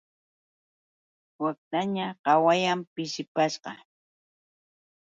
Waktaña qawayan, pishipashqa.